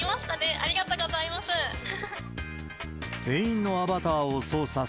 ありがとうございます。